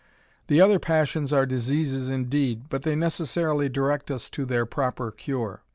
The other passions are diseases indeed, but they necessarily direct us to their proper cure.